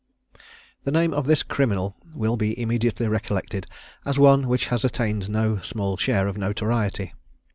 The name of this criminal will be immediately recollected as one which has attained no small share of notoriety.